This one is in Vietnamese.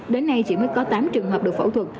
đến nay chỉ mới có tám trường hợp được phẫu thuật